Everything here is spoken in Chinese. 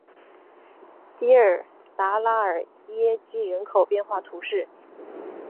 迪尔达拉尔基耶人口变化图示